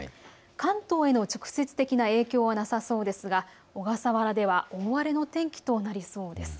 関東への直接的な影響はなさそうですが小笠原では大荒れの天気となりそうです。